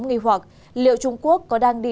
nghi hoạt liệu trung quốc có đang đi